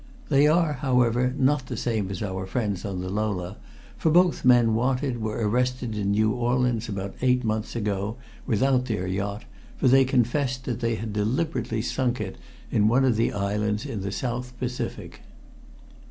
They are, however, not the same as our friends on the Lola, for both men wanted were arrested in New Orleans about eight months ago, without their yacht, for they confessed that they had deliberately sunk it on one of the islands in the South Pacific."